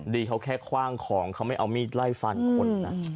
ดีเขาแค่คว่างของเขาไม่เอามีดไล่ฟันคนนะ